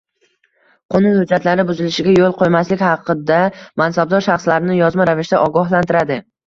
qonun hujjatlari buzilishiga yo’l qo’ymaslik haqida mansabdor shaxslarni yozma ravishda ogohlantiradi.